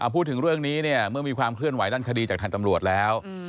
พูดถึงเรื่องนี้เนี่ยเมื่อมีความเคลื่อนไหวด้านคดีจากทางตำรวจแล้ว